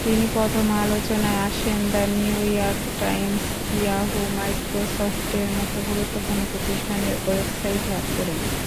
তিনি প্রথম আলোচনায় আসেন, the New York Times, Yahoo!, মাইক্রোসফটের মত গুরুত্বপূর্ণ প্রতিষ্ঠানের ওয়েবসাইট হ্যাক করে।